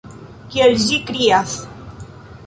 Kiel ĝi krias!